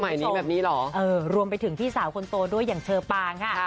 นี้แบบนี้เหรอเออรวมไปถึงพี่สาวคนโตด้วยอย่างเชอปางค่ะ